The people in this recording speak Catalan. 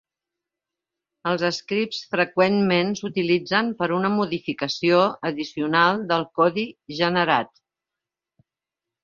Els scripts freqüentment s'utilitzen per a una modificació addicional del codi generat.